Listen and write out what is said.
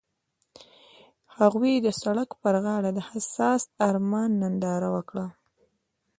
هغوی د سړک پر غاړه د حساس آرمان ننداره وکړه.